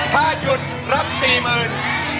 ถ้าหยุดรับ๔๐๐๐บาท